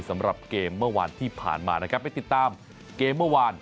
สำหรับเกมเมื่อวานที่ผ่านมานะครับไปติดตามเกมเมื่อวาน